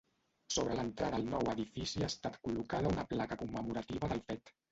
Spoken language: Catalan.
Sobre l'entrada al nou edifici ha estat col·locada una placa commemorativa del fet.